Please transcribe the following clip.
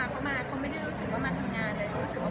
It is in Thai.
จะให้เขานอนดังนั้นให้เต็มที่ก่อน